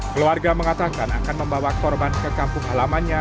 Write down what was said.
keluarga mengatakan akan membawa korban ke kampung halamannya